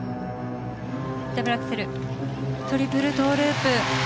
ダブルアクセルトリプルトウループ。